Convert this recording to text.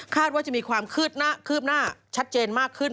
ว่าจะมีความคืบหน้าชัดเจนมากขึ้น